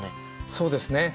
そうですね。